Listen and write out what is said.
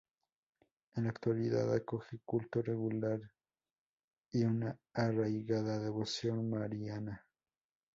En la actualidad acoge culto regular y una arraigada devoción mariana.